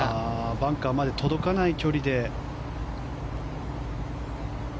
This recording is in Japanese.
バンカーまで届かない距離で。